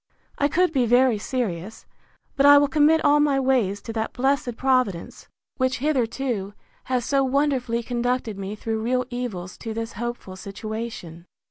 I could be very serious: But I will commit all my ways to that blessed Providence, which hitherto has so wonderfully conducted me through real evils to this hopeful situation.